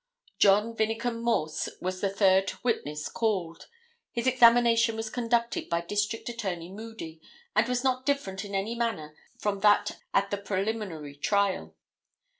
John Vinnecum Morse was the third witness called. His examination was conducted by District Attorney Moody, and was not different in any manner from that at the preliminary trial.